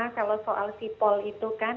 kalau soal sipol itu kan